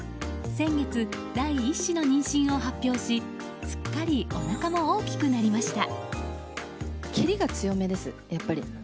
先月、第１子の妊娠を発表しすっかりおなかも大きくなりました。